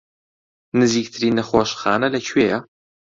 نزیکترین نەخۆشخانە لەکوێیە؟